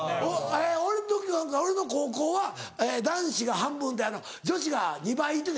俺の時なんか俺の高校は男子が半分で女子が２倍いてて。